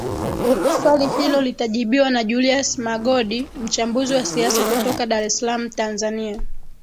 swali hilo litajibiwa na julius magodi mchambuzi wa siasa kutoka dar es salam tanzania